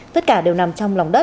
tất cả đều nằm trong lòng đất